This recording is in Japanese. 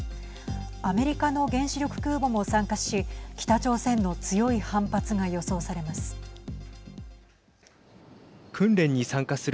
アメリカの原子力空母も参加し北朝鮮の強い反発が予想されます。